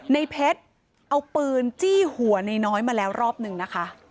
ในเพชรเอาปืนจี้หัวในน้อยมาแล้วรอบหนึ่งนะคะ